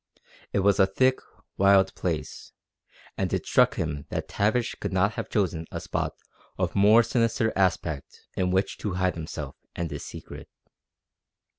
It was a thick, wild place and it struck him that Tavish could not have chosen a spot of more sinister aspect in which to hide himself and his secret.